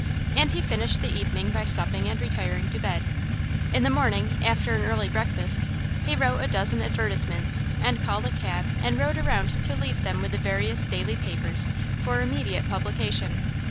And he finished the evening by supping and retiring to bed. In the morning, after an early breakfast, he wrote a dozen advertisements and called a cab and rode around to leave them with the various daily papers for immediate publication.